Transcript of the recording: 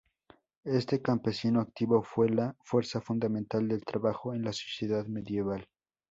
Este campesinado activo fue la fuerza fundamental del trabajo en la sociedad medieval.